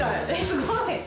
すごい。